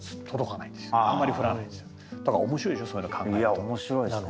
いや面白いですね。